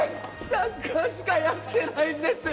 サッカーしかやってないんです！